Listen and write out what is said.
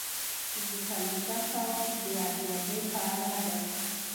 پنځه څلویښتم سوال د ارزیابۍ په اړه دی.